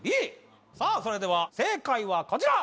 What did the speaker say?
さあそれでは正解はこちら。